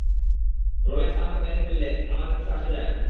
Rolex আমাকে মেরে ফেললে আমার কিছু আসে যায় না।